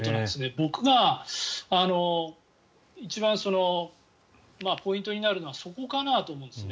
僕が一番、ポイントになるのはそこかなと思うんですね。